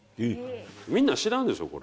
みんな知らんでしょ、これ。